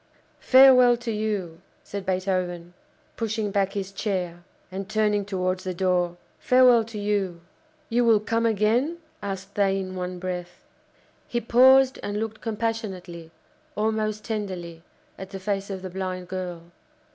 "Farewell to you!" said Beethoven, pushing back his chair, and turning towards the door "farewell to you!" "You will come again?" asked they in one breath. He paused and looked compassionately, almost tenderly, at the face of the blind girl.